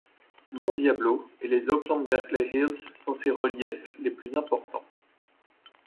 Mont Diablo et les Oakland-Berkeley Hills sont ses reliefs les plus importants.